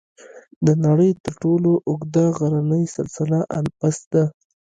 د نړۍ تر ټولو اوږده غرني سلسله الپس ده.